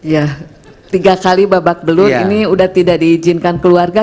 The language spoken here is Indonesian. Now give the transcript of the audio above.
ya tiga kali babak belur ini sudah tidak diizinkan keluarga